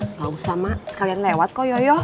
enggak usah ma sekalian lewat kok yoyo